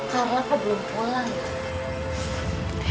karena aku belum pulang